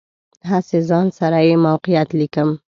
هسې ځان سره یې موقعیت لیکم.